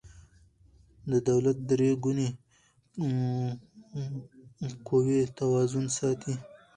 د دولت درې ګونې قوې توازن ساتي